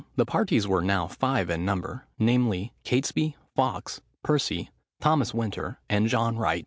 The parties were now five in number, namely, Catesby, Fawkes, Percy, Thomas Winter, and John Wright.